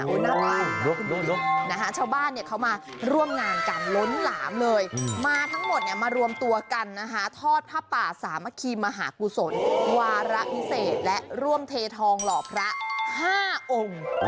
หน้าบ้านนะคะชาวบ้านเนี่ยเขามาร่วมงานกันล้นหลามเลยมาทั้งหมดเนี่ยมารวมตัวกันนะคะทอดผ้าป่าสามัคคีมหากุศลวาระพิเศษและร่วมเททองหล่อพระ๕องค์